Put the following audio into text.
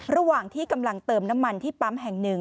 ระหว่างที่กำลังเติมน้ำมันที่ปั๊มแห่งหนึ่ง